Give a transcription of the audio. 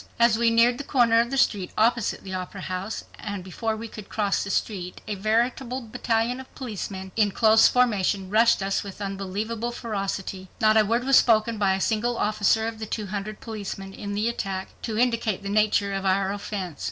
As we neared the corner of the street opposite the Opera House and before we could cross the street a veritable battalion of policemen in close formation rushed us with unbelievable ferocity. Not a word was spoken by a single officer of the two hundred policemen in the attack to indicate the nature of our offense.